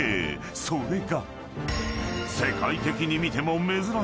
［それが］